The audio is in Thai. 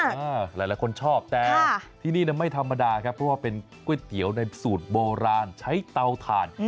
หลายคนชอบแต่ที่นี่ไม่ธรรมดาครับเพราะว่าเป็นก๋วยเตี๋ยวในสูตรโบราณใช้เตาถ่าน